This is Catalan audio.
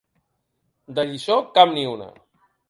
De lliçó, cap ni una.